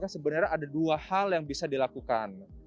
sebenarnya ada dua hal yang bisa dilakukan